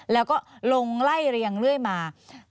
แล้วก็ลงไล่เรียงเรื่อยมา